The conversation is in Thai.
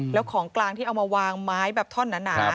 แล้วของกลางที่เอามาวางไม้แบบท่อนหนา